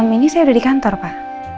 enam ini saya udah di kantor pak